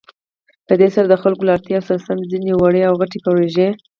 په دې سره د خلكو له اړتياوو سره سم ځينې وړې او غټې پروژې